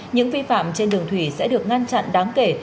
những vi phạm trên đường thủy sẽ được ngăn chặn đáng kể